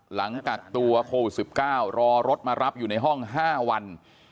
หลังกักตัวโควิด๑๙รอรถมารับอยู่ในห้อง๕วัน